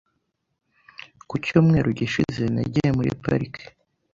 Ku cyumweru gishize, nagiye muri parike .